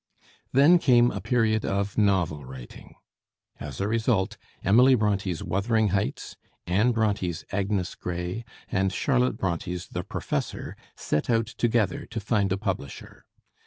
Then came a period of novel writing. As a result, Emily Bronté's 'Wuthering Heights,' Anne Bronté's 'Agnes Grey,' and Charlotte Bronté's 'The Professor' set out together to find a publisher.